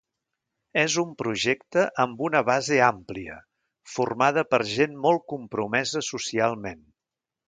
És un projecte amb una base àmplia, formada per gent molt compromesa socialment.